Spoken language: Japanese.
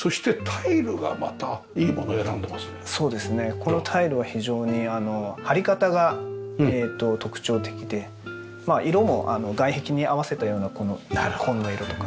このタイルは非常に貼り方が特徴的で色も外壁に合わせたようなこの紺の色とか。